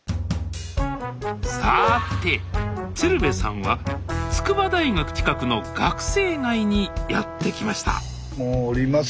さて鶴瓶さんは筑波大学近くの学生街にやって来ましたもう降ります。